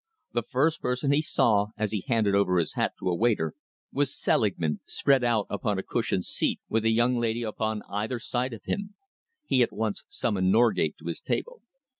The first person he saw as he handed over his hat to a waiter, was Selingman, spread out upon a cushioned seat with a young lady upon either side of him. He at once summoned Norgate to his table.